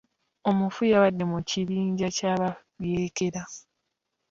Omufu yabadde mu kibinja ky'abayeekera.